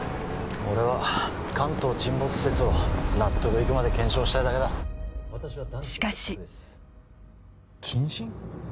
俺は関東沈没説を納得いくまで検証したいだけだしかし謹慎？